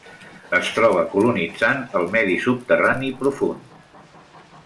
Es troba colonitzant el medi subterrani profund.